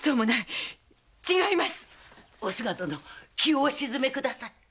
おすが殿気をお静めください。